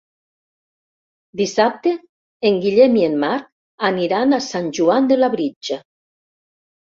Dissabte en Guillem i en Marc aniran a Sant Joan de Labritja.